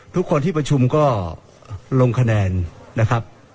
ทุกคนที่ประชุมก็ลงคะแนนนะครับ